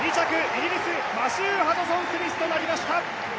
イギリス、マシュー・ハドソン・スミス選手となりました。